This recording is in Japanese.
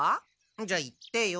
じゃあ言ってよ。